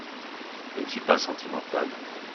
Je ne suis pas sentimental.